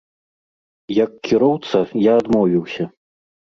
Як кіроўца, я адмовіўся.